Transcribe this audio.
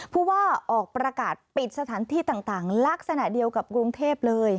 ผู้ว่าออกประกาศปิดสถานที่ต่างลักษณะเดียวกับกรุงเทพเลย